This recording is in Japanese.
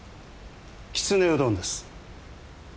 きつねうどんです。